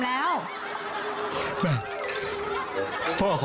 โทรมานโทรมาน